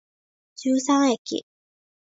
十三駅